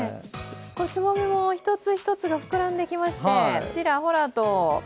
つぼみも一つ一つが膨らんできまして、ちらほらと。